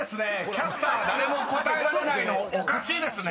キャスター誰も答えられないのおかしいですね！］